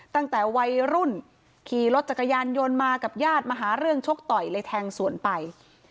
ตั้งแต่วัยรุ่นขี่รถจักรยานยนต์มากับญาติมาหาเรื่องชกต่อยเลยแทงสวนไป